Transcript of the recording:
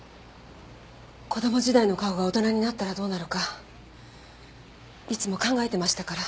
子供時代の顔が大人になったらどうなるかいつも考えてましたから。